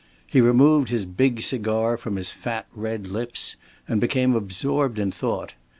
He removed his big cigar from his fat red lips, and became absorbed in thought.